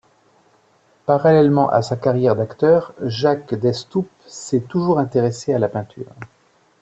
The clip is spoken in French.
Parallèlement à sa carrière d'acteur, Jacques Destoop s'est toujours intéressé à la peinture.